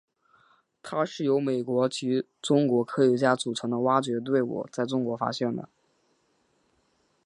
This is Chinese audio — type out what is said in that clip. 它是由美国及中国科学家组成的挖掘队伍在中国发现的。